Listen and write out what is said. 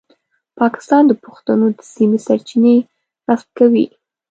پاکستان د پښتنو د سیمې سرچینې غصب کوي.